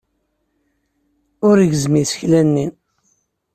Ur gezzem isekla-inna.